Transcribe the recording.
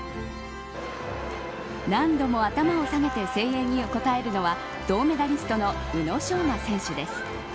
何度も頭を下げて声援に応えるのは銅メダリストの宇野昌磨選手です。